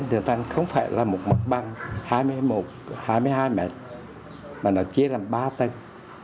thường thành không phải là một mặt băng hai mươi một hai mươi hai m mà nó chia làm ba tầng